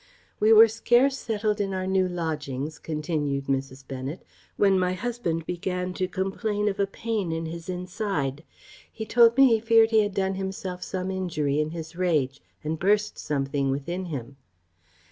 "We were scarce settled in our new lodgings," continued Mrs. Bennet, "when my husband began to complain of a pain in his inside. He told me he feared he had done himself some injury in his rage, and burst something within him.